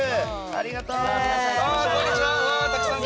ありがとう！